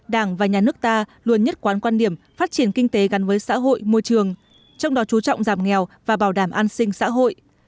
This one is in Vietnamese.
đảng và nhà nước ta luôn nhất quán quan điểm phát triển kinh tế gắn với xã hội môi trường trong đó chú trọng giảm nghèo và bảo đảm an sinh xã hội